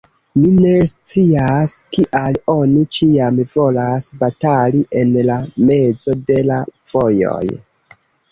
Mi ne scias, kial oni ĉiam volas batali en la mezo de la vojoj.